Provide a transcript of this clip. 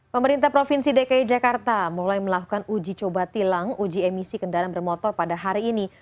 pemerintah provinsi dki jakarta mulai melakukan uji coba tilang uji emisi kendaraan bermotor pada hari ini